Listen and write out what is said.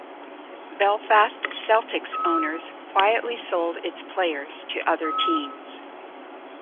Belfast Celtic's owners quietly sold its players to other teams.